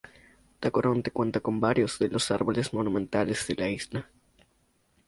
Tacoronte cuenta con varios de los árboles monumentales de la isla.